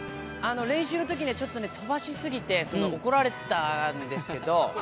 練習のときね、ちょっとね、飛ばし過ぎて怒られたんですけど。